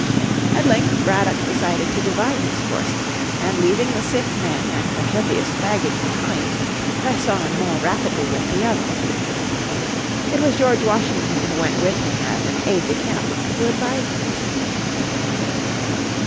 At length Braddock decided to divide his force, and leaving the sick men and the heaviest baggage behind, press on more rapidly with the others. It was George Washington who went with him as an aide de camp who advised this.